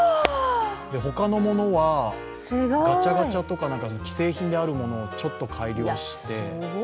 他のものはガチャガチャとか既製品であるものをちょっと改良して。